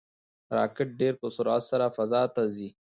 راکټ ډېر په سرعت سره فضا ته ځي.